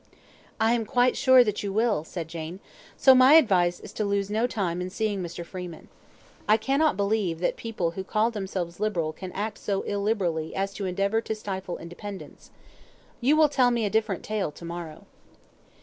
"I am quite sure that you will," said Jane; "so my advice is to lose no time in seeing Mr. Freeman. I cannot believe that people who call themselves liberal can act so illiberally as to endeavour to stifle independence. You will tell me a different tale tomorrow."